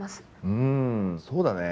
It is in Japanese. うんそうだね。